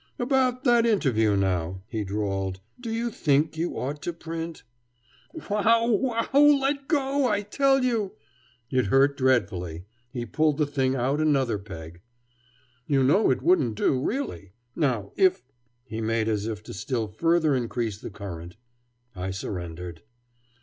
"About that interview, now," he drawled. "Do you think you ought to print " "Wow, wow! Let go, I tell you!" It hurt dreadfully. He pulled the thing out another peg. "You know it wouldn't do, really. Now, if " He made as if to still further increase the current. I surrendered.